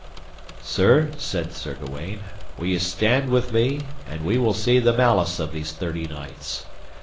Sir, said Sir Gawaine, will ye stand with me, and we will see the malice of these thirty knights.